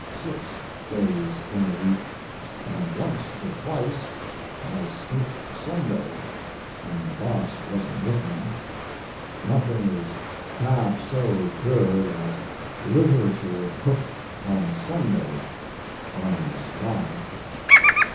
six days in the week, and once or twice I smouched a Sunday when the boss wasn't looking. Nothing is half so good as literature hooked on Sunday, on the sly.